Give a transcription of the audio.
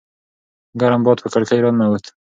ګرم باد په کړکۍ راننووت.